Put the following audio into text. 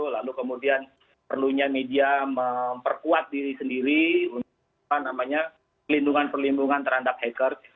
lalu kemudian perlunya media memperkuat diri sendiri untuk pelindungan perlindungan terhadap hacker